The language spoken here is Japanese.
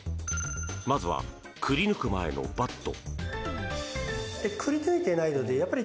まずは、くり抜く前のバット。